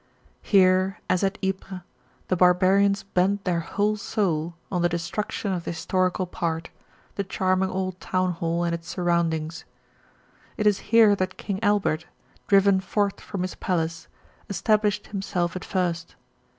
Here as at Ypres the barbarians bent their whole soul on the destruction of the historical part, the charming old town hall and its surroundings. It is here that King Albert, driven forth from his palace, established himself at first.